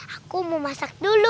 aku mau masak dulu